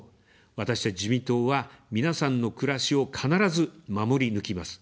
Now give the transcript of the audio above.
私たち自民党は皆さんの暮らしを必ず守り抜きます。